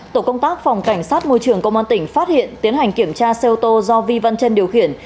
tổ công tác phòng cảnh sát môi trường công an tỉnh phát hiện tiến hành kiểm tra xe ô tô do vi văn trân điều khiển